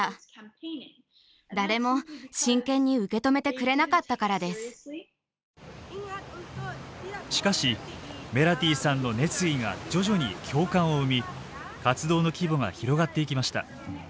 それこそしかしメラティさんの熱意が徐々に共感を生み活動の規模が広がっていきました。